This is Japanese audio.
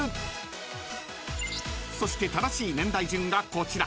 ［そして正しい年代順がこちら］